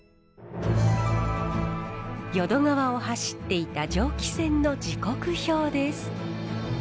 淀川を走っていた蒸気船の時刻表です。